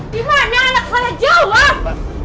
dimana anak saya jauh lah